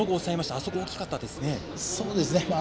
あそこは大きかったですね。